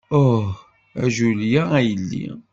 Uh, a Julia, a yelli!